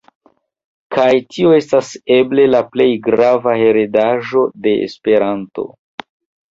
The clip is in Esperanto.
Kaj tio estas eble la plej grava heredaĵo de Esperanto.